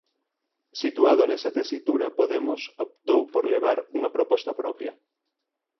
Situado nesa tesitura, Podemos optou por levar unha proposta propia.